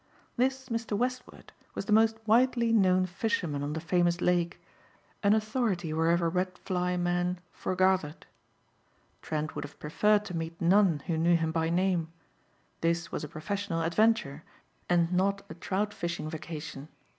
This Mr. Westward was the most widely known fisherman on the famous lake, an authority wherever wet fly men foregathered. Trent would have preferred to meet none who knew him by name. This was a professional adventure and not a trout fishing vacation.